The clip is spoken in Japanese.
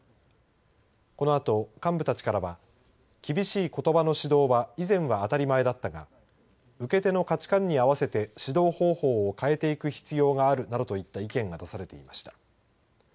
このあと幹部たちからは厳しいことばの指導は以前は当たり前だったが受け手の価値観に合わせて指導方法を変えていく必要があるなどといった意見が出されていました。